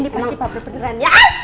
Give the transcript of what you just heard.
ini pasti pabrik beneran